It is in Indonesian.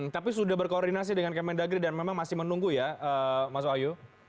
tapi sudah berkoordinasi dengan kementerian negeri dan memang masih menunggu ya mas wahyu